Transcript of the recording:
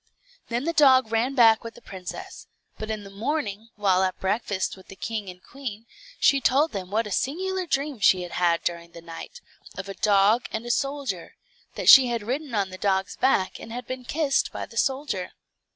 Then the dog ran back with the princess; but in the morning, while at breakfast with the king and queen, she told them what a singular dream she had had during the night, of a dog and a soldier, that she had ridden on the dog's back, and been kissed by the soldier.